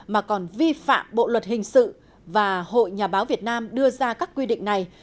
mà còn vi phạm bộ luật hình sự và hội nhà báo việt nam đưa ra các quy định này